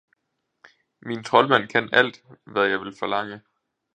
Min troldmand kan alt, hvad jeg vil forlange.